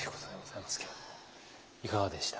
いかがでした？